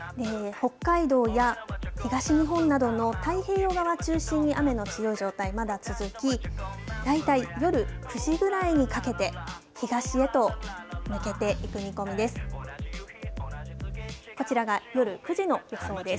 北海道や東日本などの太平洋側を中心に雨の強い状態、まだ続き、大体、夜９時ぐらいにかけて、東へと抜けていく見込みです。